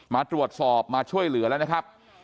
มาตรวจสอบมาช่วยเหลือแล้วนะครับ